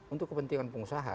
untuk kepentingan pengusaha